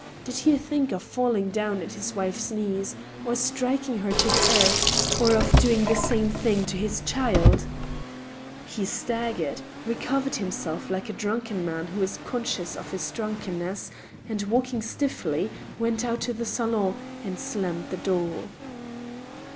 Did he think of falling down at his wife's knees, or of striking her to the earth, or of doing the same thing to his child ? He staggered, recovered himself like a drunken man who is conscious of his dmnkenness, and, walk ing stiffly, went out of the salon, and slammed the door.